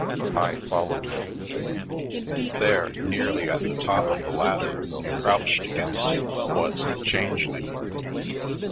I followed him. There, nearly at the top of the ladder and crouched against it, was the Changeling.